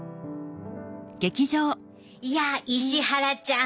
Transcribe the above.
いや石原ちゃん